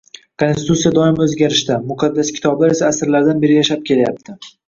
Konstitutsiya doimiy oʻzgarishda, muqaddas kitoblar esa asrlardan beri yashab kelyapti